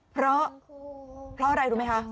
เพราะเพราะอะไรรู้ไหมคะ